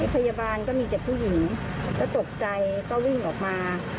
พยาบาลก็มีแต่ผู้หญิงก็ตกใจก็วิ่งออกมา